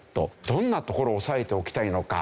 どんな所を押さえておきたいのか。